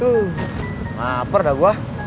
tuh lapar dah gue